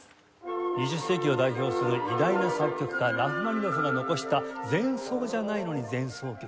２０世紀を代表する偉大な作曲家ラフマニノフが残した前奏じゃないのに「前奏曲」。